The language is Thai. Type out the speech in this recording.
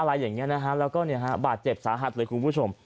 อะไรอย่างนี้นะฮะแล้วก็เนี่ยฮะบาดเจ็บสาหัสเลยคุณผู้ชม